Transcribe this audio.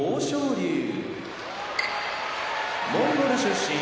龍モンゴル出身